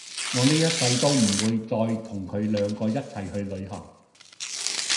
我哩一世都唔會再同佢兩個一齊去旅行